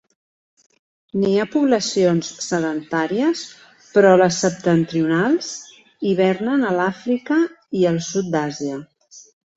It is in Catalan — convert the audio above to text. N'hi ha poblacions sedentàries però les septentrionals hivernen a l'Àfrica i al sud d'Àsia.